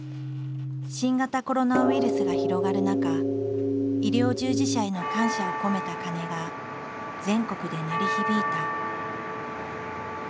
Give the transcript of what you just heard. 新型コロナウイルスが広がる中医療従事者への感謝を込めた鐘が全国で鳴り響いた。